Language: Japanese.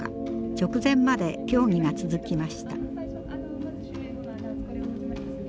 直前まで協議が続きました。